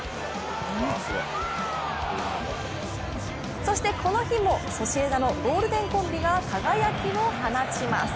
そしてこの日もソシエダのゴールデンコンビが輝きを放ちます。